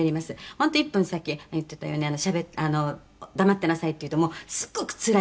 「本当１分さっき言ってたように黙ってなさいって言うともうすごくつらいって」